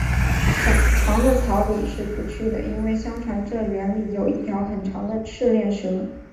长的草里是不去的，因为相传这园里有一条很大的赤练蛇